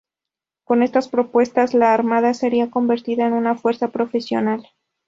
Con estas propuestas, la Armada sería convertida en una fuerza profesional.